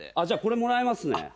じゃあこれもらいますね。